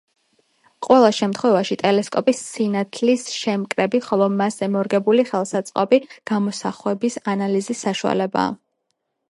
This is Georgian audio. ყველა შემთვევაში ტელესკოპი სინათლის შემკრები, ხოლო მასზე მორგებული ხელსაწყოები გამოსხივების ანალიზის საშუალებაა.